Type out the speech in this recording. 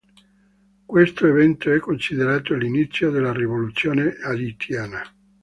Questo evento è considerato l'inizio della rivoluzione haitiana.